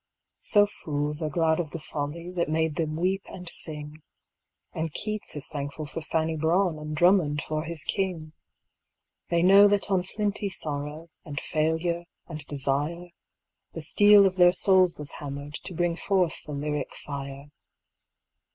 So fools are glad of the folly That made them weep and sing, And Keats is thankful for Fanny Brawne And Drummond for his king. They know that on flinty sorrow And failure and desire The steel of their souls was hammered To bring forth the lyric fire.